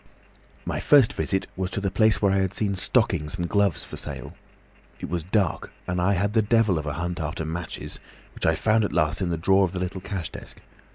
"My first visit was to the place where I had seen stockings and gloves for sale. It was dark, and I had the devil of a hunt after matches, which I found at last in the drawer of the little cash desk.